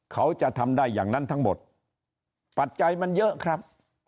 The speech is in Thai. เขาจะทำได้อย่างนั้นทั้งหมดปัจจัยมันเยอะครับ